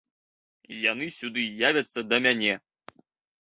Яны сюды явяцца да мяне!